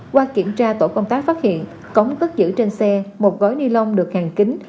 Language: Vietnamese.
qua kiểm tra tổ công tác phát hiện cống cất giữ trên xe một gói ni lông được hàng kính